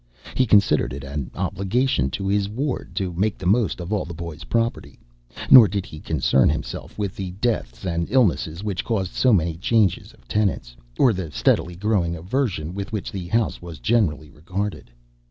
He considered it an obligation to his ward to make the most of all the boy's property, nor did he concern himself with the deaths and illnesses which caused so many changes of tenants, or the steadily growing aversion with which the house was generally regarded.